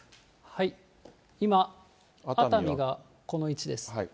今、熱海がこの位置です。